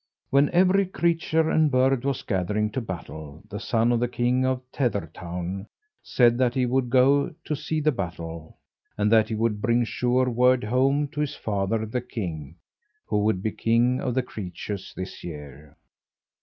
When every creature and bird was gathering to battle, the son of the king of Tethertown said that he would go to see the battle, and that he would bring sure word home to his father the king, who would be king of the creatures this year.